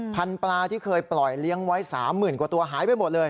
ปลาที่เคยปล่อยเลี้ยงไว้๓๐๐๐กว่าตัวหายไปหมดเลย